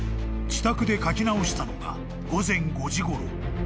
［自宅で書き直したのが午前５時ごろ］